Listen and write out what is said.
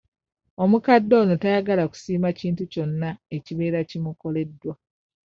Omukadde ono tayagala kusiima kintu kyonna ekibeera kimukoleddwa.